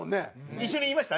一緒に言いました？